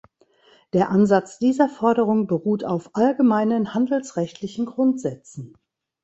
Der Ansatz dieser Forderung beruht auf allgemeinen handelsrechtlichen Grundsätzen.